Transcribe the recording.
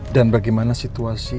dan bagaimana situasi